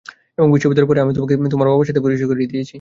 এবং বিশ্ববিদ্যালয়ের পরে, আমি তাকে তোমার বাবার সাথে পরিচয় করিয়ে দিয়েছি।